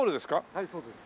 はいそうです。